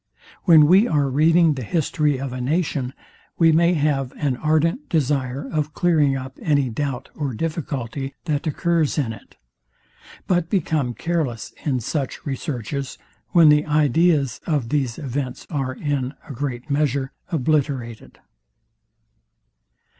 When we are reading the history of a nation, we may have an ardent desire of clearing up any doubt or difficulty, that occurs in it; but become careless in such researches, when the ideas of these events are, in a great measure, obliterated.